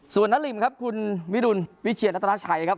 ส่วนนาริมครับคุณวิรุณวิเชียรัตนาชัยครับ